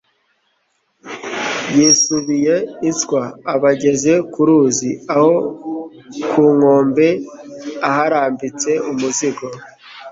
zisubiye iswa aba ageze ku ruzi. aho ku nkombe, aharambitse umuzigo